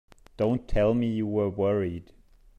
Don't tell me you were worried!